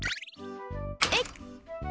えい！